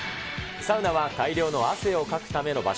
サウナは大量の汗をかくための場所。